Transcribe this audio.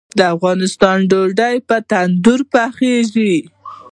د افغانستان ډوډۍ په تندور پخیږي